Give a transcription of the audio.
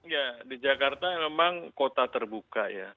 ya di jakarta memang kota terbuka ya